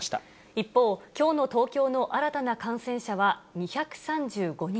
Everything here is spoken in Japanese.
一方、きょうの東京の新たな感染者は２３５人。